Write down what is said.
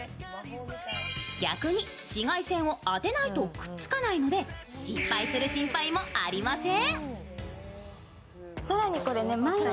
逆に、紫外線を当てないとくっつかないので、失敗する心配もありません。